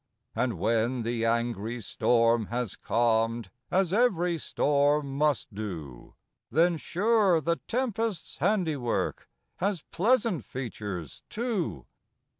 And when the angry storm has calm'd, As ev'ry storm must do, Then, sure, the tempest's handiwork, Has pleasant features, too.